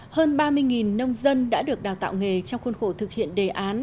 hơn ba mươi nông dân đã được đào tạo nghề trong khuôn khổ thực hiện đề án